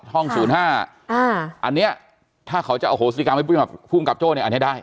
ห้อง๐๕อันนี้ถ้าเขาจะเอาโหสิกรรมให้พูดมาพูดกับโจ้อเนี่ยอันนี้ได้